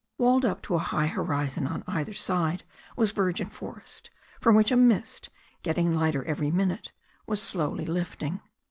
Walled up to a high horizon on either side was virgin forest from which a mist, getting lighter every minute, was slowly lifting.